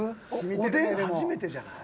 おでん初めてじゃない？